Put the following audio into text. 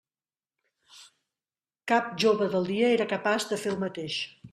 Cap jove del dia era capaç de fer el mateix!